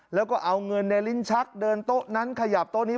แล้วก็เอาเงินในลิ้นชักเดินโต๊ะนั้นขยับโต๊ะนี้